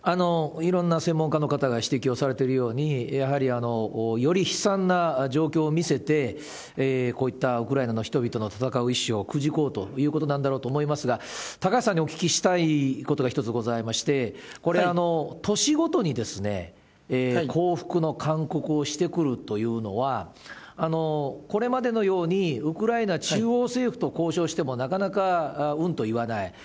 いろんな専門家の方が指摘をされているように、やはりより悲惨な状況を見せて、こういったウクライナの人々の戦う意思をくじこうということなんだろうと思いますが、高橋さんにお聞きしたいことが１つございまして、これ、都市ごとに降伏の勧告をしてくるというのは、これまでのようにウクライナ中央政府と交渉しても、なかなかうんと言わない。